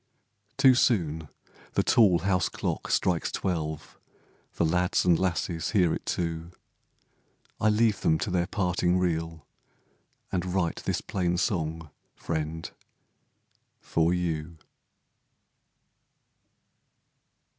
Too soon the tall house clock strikes twelve, The lads and lasses hear it too, I leave them to their parting reel, And write this plain song, friend, for you.